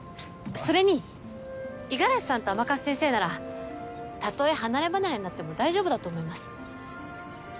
それに五十嵐さんと甘春先生ならたとえ離れ離れになっても大丈夫だと思います。